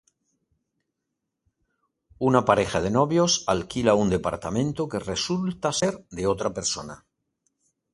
Una pareja de novios alquila un departamento que resulta ser de otra persona.